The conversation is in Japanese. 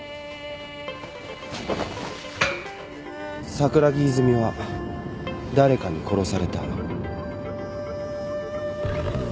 桜木泉は誰かに殺された。